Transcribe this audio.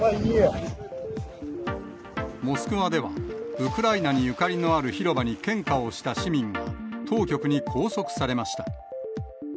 モスクワでは、ウクライナにゆかりのある広場に献花をした市民が、当局に拘束されました。